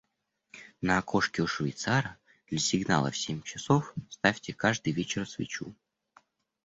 На окошке у швейцара для сигнала в семь часов ставьте каждый вечер свечу.